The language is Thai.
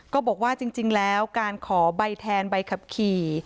ก็บอกว่าจริงแล้วการขอใบแทนใบขับขี่